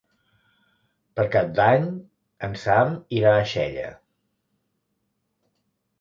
Per Cap d'Any en Sam irà a Xella.